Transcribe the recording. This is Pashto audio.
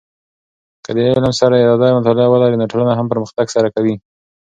که د علم سر اراده مطالعه ولرې، نو ټولنه هم پرمختګ در سره کوي.